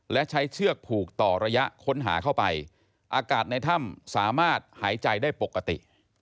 และใช้เชือกผูกต่อระยะค้นหาเข้าไปอากาศในถ้ำสามารถหายใจได้ปกติ